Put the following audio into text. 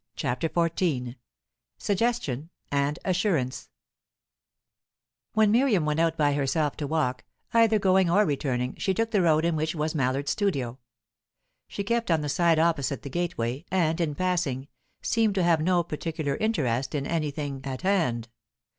CHAPTER XIV SUGGESTION AND ASSURANCE When Miriam went out by herself to walk, either going or returning she took the road in which was Mallard's studio. She kept on the side opposite the gateway, and, in passing, seemed to have no particular interest in anything at hand.